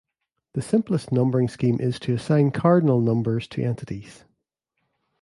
The simplest numbering scheme is to assign cardinal numbers to entities.